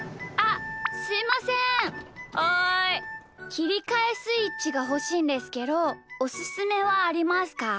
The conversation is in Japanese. きりかえスイッチがほしいんですけどおすすめはありますか？